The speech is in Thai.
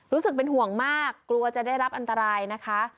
รู้สึกเป็นห่วงมากกลัวจะได้รับอันตรายนะคะ